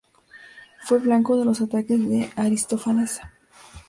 Fue blanco de los ataques de Aristófanes.